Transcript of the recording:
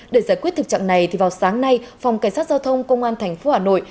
để giải quyết thực trạng này vào sáng nay phòng cảnh sát giao thông công an tp hà nội